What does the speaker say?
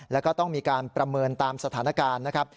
แล้วก็ต้องมีการประเมินตามสถานการณ์นะครับ